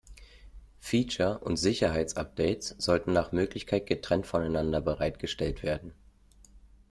Feature- und Sicherheitsupdates sollten nach Möglichkeit getrennt voneinander bereitgestellt werden.